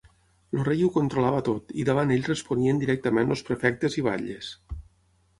El rei ho controlava tot, i davant ell responien directament els prefectes i batlles.